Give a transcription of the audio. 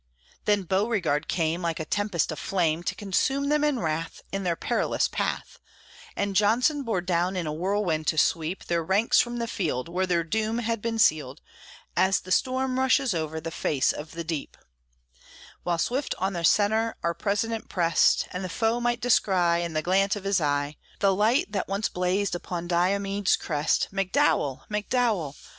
Then Beauregard came, Like a tempest of flame, To consume them in wrath, In their perilous path; And Johnson bore down in a whirlwind to sweep Their ranks from the field, Where their doom had been sealed, As the storm rushes over the face of the deep; While swift on the centre our President pressed, And the foe might descry, In the glance of his eye, The light that once blazed upon Diomede's crest. McDowell! McDowell!